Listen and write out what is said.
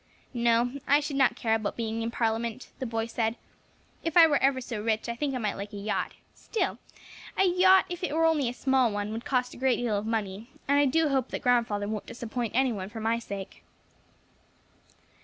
"No, I should not care about being in Parliament," the boy said. "If I were ever so rich I think I might like a yacht; still, a yacht, if it were only a small one, would cost a great deal of money, and I do hope that grandfather won't disappoint any one for my sake."